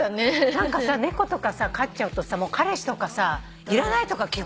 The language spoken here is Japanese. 何かさ猫とか飼っちゃうとさ彼氏とかさいらないとか聞くけど。